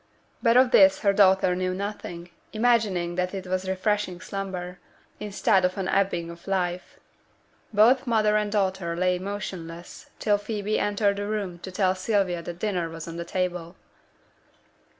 But of this her daughter knew nothing, imagining that it was refreshing slumber, instead of an ebbing of life. Both mother and daughter lay motionless till Phoebe entered the room to tell Sylvia that dinner was on the table.